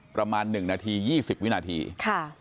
ประมาณหนึ่งนาที๒๐วินาทีค่ะ